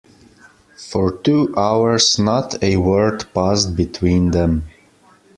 For two hours not a word passed between them.